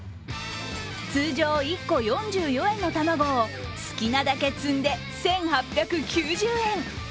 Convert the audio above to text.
通常１個４４円の卵を好きなだけ積んで１８９０円。